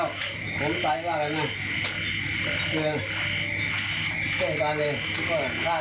หรือจิดคลุกแล้วอีกแล้วหนีมา